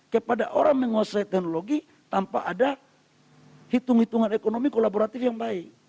kepada orang menguasai teknologi tanpa ada hitung hitungan ekonomi kolaboratif yang baik